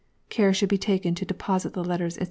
Care should be taken to deposit the letters, &c.